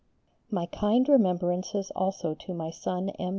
My kind remembrances also to my son M.